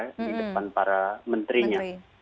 di depan para menterinya